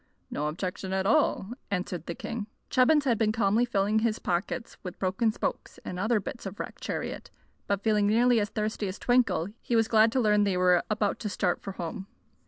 "No objection at all," answered the king. Chubbins had been calmly filling his pockets with broken spokes and other bits of the wrecked chariot; but feeling nearly as thirsty as Twinkle, he was glad to learn they were about to start for home.